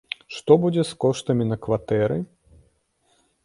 Што будзе з коштамі на кватэры?